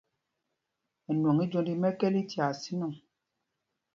Ɛnwɔŋ íjwónd í mɛ̄kɛ̄l í tyaa sínɔŋ.